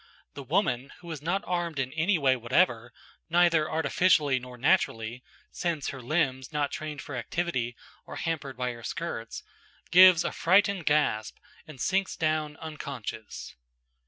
The woman, who is not armed in any way whatever, neither artificially nor naturally (since her limbs, not trained for activity, are hampered by her skirts), gives a frightened gasp, and sinks down unconscious.